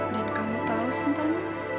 dan kamu tahu sentan